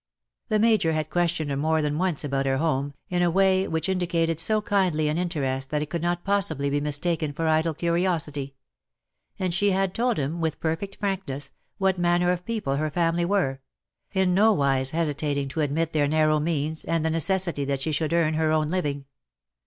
The Major had questioned her more than once about her home, in a way which indicated so kindly an interest that it could not possibly be mistaken for idle curiosity. And she had told him, with perfect frankness, what manner of people her family were — in no wise hesitating to admit their narrow means, and the necessity that she should earn her own living.